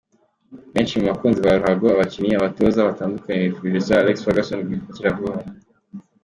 Benshi mu bakunzi ba ruhago, abakinnyi, abatoza batandukanye bifurije Sir Alex Ferguson gukira vuba.